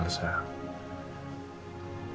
tadi sempat memohon